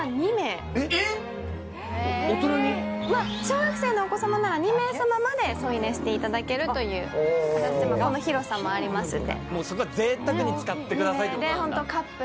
小学生のお子様なら２名様まで添い寝していただけるというその広さもありますので。